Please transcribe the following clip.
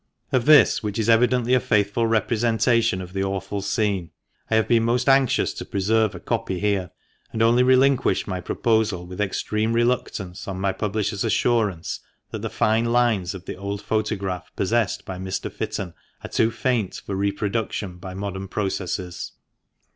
Of this — which is evidently a faithful representation of the awful scene I have been most anxious to preserve a copy here, and only relinquish my proposal with extreme reluctance on my publisher's assurance that the fine lines of the old photograph possessed by Mr. Fitton are too faint for reproduction by modern processes.